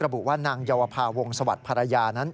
ระบุว่านางเยาวภาวงศวรรษภรรยานั้น